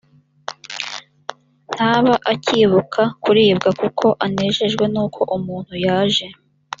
ntaba akibuka kuribwa kuko anejejwe n uko umuntu yaje